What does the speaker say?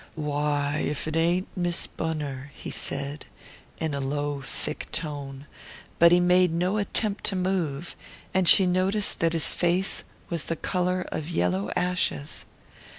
"Why, if it ain't Miss Bunner!" he said, in a low thick tone; but he made no attempt to move, and she noticed that his face was the colour of yellow ashes.